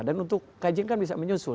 dan untuk kajian kan bisa menyusul